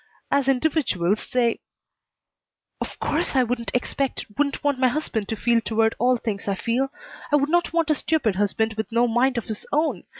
As individuals they " "Of course I wouldn't expect, wouldn't want my husband to feel toward all things as I feel. I would not want a stupid husband with no mind of his own!